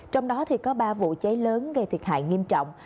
trong đó có ba vụ cháy lớn gây thiệt hại nghiêm trọng